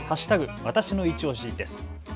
わたしのいちオシです。